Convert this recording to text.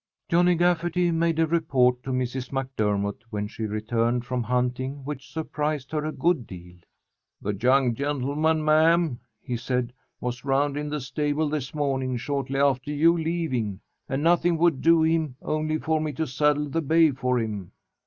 Johnny Gafferty made a report to Mrs. MacDermott when she returned from hunting which surprised her a good deal. "The young gentleman, ma'am," he said, "was round in the stable this morning, shortly after you leaving. And nothing would do him only for me to saddle the bay for him."